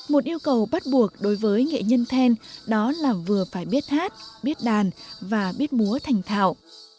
một yêu cầu bắt buộc đối với nghệ nhân then đó là vừa phải biết hát biết đàn và biết múa thành thạo